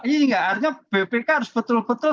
iya artinya bpk harus betul betul